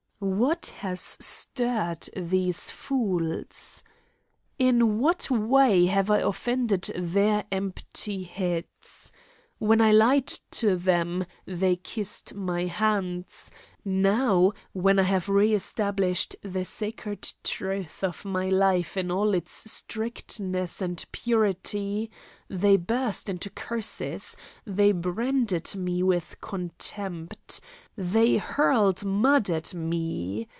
What has stirred these fools? In what way have I offended their empty heads? When I lied to them, they kissed my hands; now, when I have re established the sacred truth of my life in all its strictness and purity, they burst into curses, they branded me with contempt, they hurled mud at me.